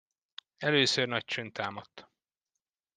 Először nagy csönd támadt.